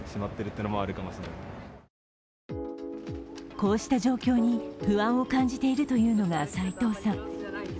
こうした状況に不安を感じているというのが、齊藤さん。